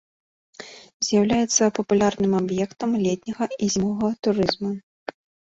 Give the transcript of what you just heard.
З'яўляецца папулярным аб'ектам летняга і зімовага турызму.